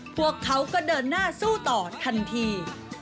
พวกเขาก็เดินหน้าสู้ต่อทันที